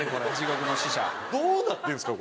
どうなってるんですか？